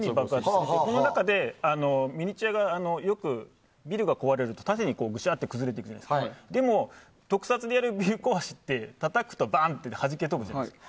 この中で、ミニチュアがよくビルが壊れると縦にグシャッて崩れていくんですけどでも、特撮でやるビル壊しってたたくとバーンとはじけ飛ぶじゃないですか。